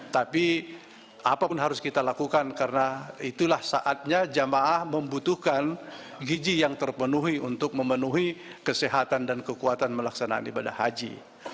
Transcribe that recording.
tapi apapun harus kita lakukan karena itulah saatnya jamaah membutuhkan giji yang terpenuhi untuk memenuhi kesehatan dan kekuatan melaksanakan ibadah haji